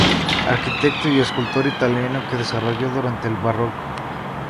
Arquitecto y escultor italiano que descolló durante el barroco.